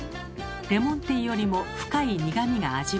レモンティーよりも深い苦みが味わえ